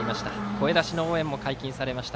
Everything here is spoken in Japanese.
声出しの応援も解禁されました